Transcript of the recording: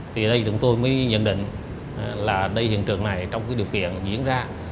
thì đây chúng tôi mới nhận định là đây hiện trường này trong cái điều kiện diễn ra